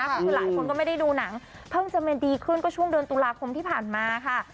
ก็คือหลายคนก็ไม่ได้ดูหนังเพิ่งจะมาดีขึ้นก็ช่วงเดือนตุลาคมที่ผ่านมาค่ะ